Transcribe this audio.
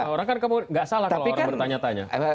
orang kan nggak salah kalau orang bertanya tanya